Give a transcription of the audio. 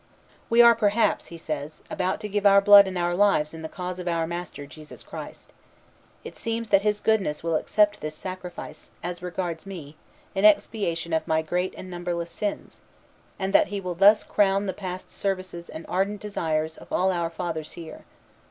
"We are perhaps," he says, "about to give our blood and our lives in the cause of our Master, Jesus Christ. It seems that His goodness will accept this sacrifice, as regards me, in expiation of my great and numberless sins, and that He will thus crown the past services and ardent desires of all our Fathers here....